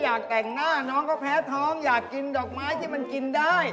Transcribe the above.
มันกุนแพ้ทองอยากกินดอกไม้ที่มันกินได้